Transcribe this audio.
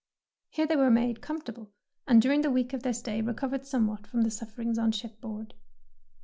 Here they were made comfortable, and during the week of their stay recov ered somewhat from the sufferings on shipboard.